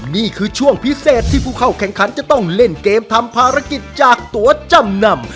นี่คือช่วงพิเศษที่ผู้เข้าแข่งขันจะต้องเล่นเกมทำภารกิจจากตัวจำนำ